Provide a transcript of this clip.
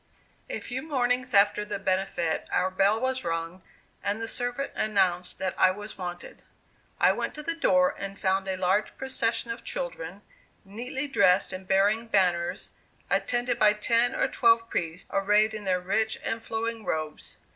A few mornings after the benefit our bell was rung, and the servant announced that I was wanted. I went to the door and found a large procession of children, neatly dressed and bearing banners, attended by ten or twelve priests, arrayed in their rich and flowing robes.